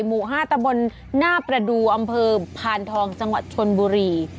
หมู่๕ตะบนหน้าประดูอำเภอพานทองจังหวัดชนบุรี